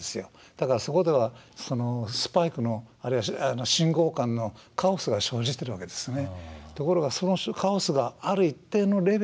だからそこではスパイクのあるいは信号間のカオスが生じているわけですね。